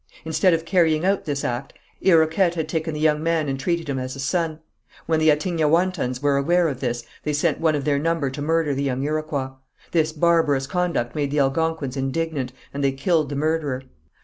Instead of carrying out this act, Iroquet had taken the young man and treated him as a son. When the Attignaouantans were aware of this, they sent one of their number to murder the young Iroquois. This barbarous conduct made the Algonquins indignant, and they killed the murderer.